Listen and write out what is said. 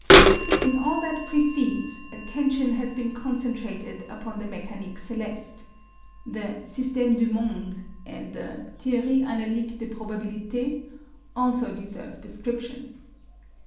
In all that precedes, attention has been concentrated upon the 'Mécanique Céleste.' The 'Système du Monde' and the 'Théorie Analytique des Probabilités' also deserve description.